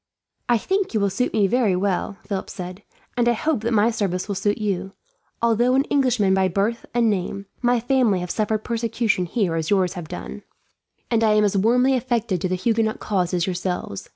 "I think you will suit me very well," Philip said, "and I hope that my service will suit you. Although an Englishman by birth and name, my family have suffered persecution here as yours have done, and I am as warmly affected to the Huguenot cause as yourselves.